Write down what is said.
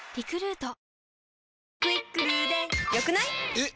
えっ！